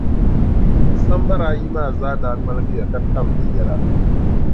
Sambara ayi maa zaa daa ŋmaligiya, ka tam di yɛla.